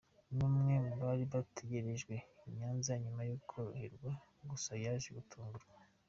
numwe mu bari bategerejwe I Nyanza nyuma yo koroherwa gusa yaje gutuungura.